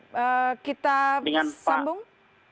pak dengan pak kolonel nur ahmad